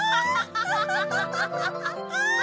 ハハハハ！